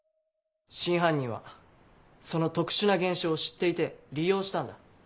真犯人はその特殊な現象を知っていて利用したんだ。